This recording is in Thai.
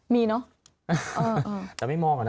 มีเนอะแต่ไม่มองอ่ะนะ